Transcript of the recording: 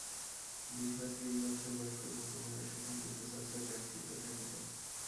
বিশ বা ত্রিশ বৎসর বয়স পর্যন্ত উহারা সেখানে বিদ্যাচর্চায় ব্যাপৃত থাকিত।